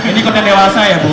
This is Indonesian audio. ini kota dewasa ya bu